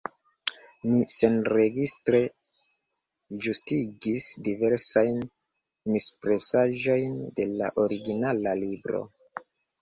Mi senregistre ĝustigis diversajn mispresaĵojn de la originala libro.